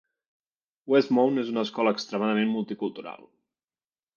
Westmount és una escola extremadament multicultural.